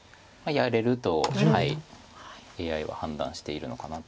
やれるとＡＩは判断してるのかなと。